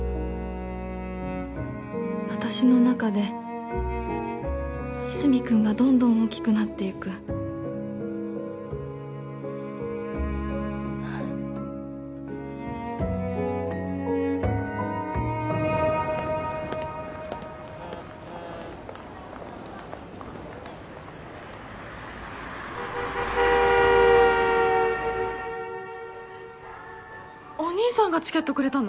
私の中で和泉君がどんどん大きくなっていくお兄さんがチケットくれたの？